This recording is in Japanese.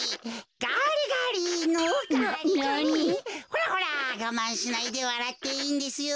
ほらほらがまんしないでわらっていいんですよ。